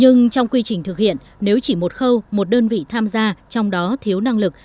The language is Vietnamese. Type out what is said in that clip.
hiện nếu chỉ một khâu một đơn vị tham gia trong đó thiếu năng lực